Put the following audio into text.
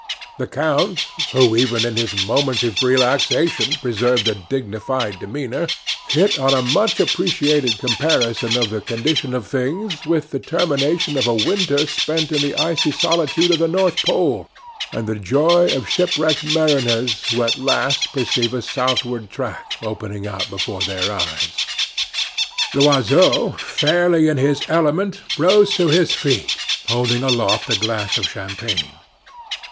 The count, who even in his moments of relaxation preserved a dignified demeanor, hit on a much appreciated comparison of the condition of things with the termination of a winter spent in the icy solitude of the North Pole and the joy of shipwrecked mariners who at last perceive a southward track opening out before their eyes. Loiseau, fairly in his element, rose to his feet, holding aloft a glass of champagne.